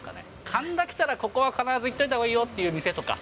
神田来たら、ここは必ず行っといたほうがいいという店とか。